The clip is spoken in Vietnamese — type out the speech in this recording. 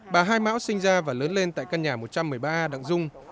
bà hai mão sinh ra và lớn lên tại căn nhà một trăm một mươi ba a đặng dung